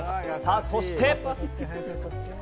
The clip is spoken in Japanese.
そして。